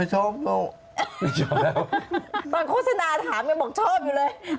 ตอนโฆษณาถามยังบอกชอบอยู่เลย